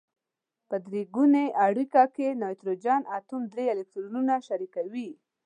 په درې ګونې اړیکه کې نایتروجن اتوم درې الکترونونه شریکوي.